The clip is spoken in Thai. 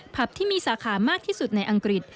ที่มีสาขามากที่สุดในอังกฤษ